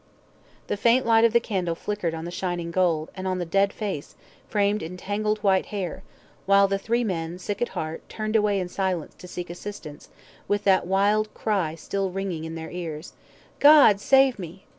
The faint light of the candle flickered on the shining gold, and on the dead face, framed in tangled white hair; while the three men, sick at heart, turned away in silence to seek assistance, with that wild cry still ringing in their ears "G save me, G